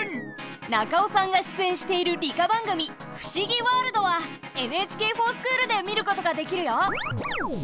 中尾さんが出演している理科番組「ふしぎワールド」は「ＮＨＫｆｏｒＳｃｈｏｏｌ」で見ることができるよ！